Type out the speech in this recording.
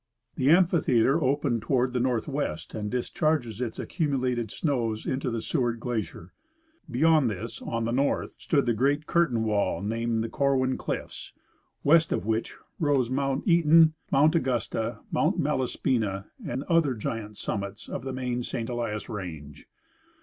The amphitheatre opens toward the northwest, and discharges its accumulated snows into the Seward glacier. Beyond this, on the north, stood the great curtain wall named the Corwin cliffs, west of which rose Mount Eaton, Mount Au gusta, Mount Malaspina, and other giant summits of the main St. Elias range.